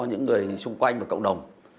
những người xung quanh và cộng đồng